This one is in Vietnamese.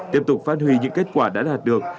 tiếp tục phát huy những kết quả đã đạt được